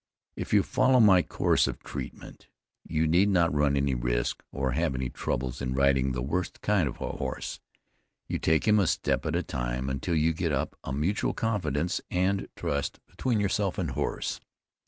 It you follow my course of treatment, you need not run any risk, or have any trouble in riding the worst kind of a horse. You take him a step at a time, until you get up a mutual confidence and trust between yourself and horse.